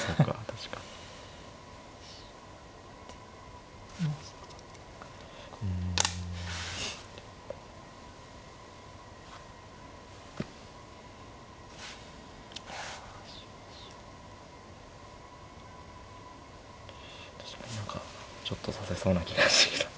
確かに何かちょっと指せそうな気がしてきた。